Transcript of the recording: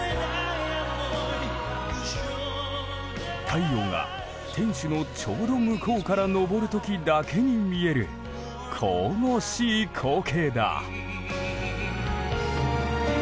太陽が天守のちょうど向こうから昇る時だけに見える神々しい光景だ。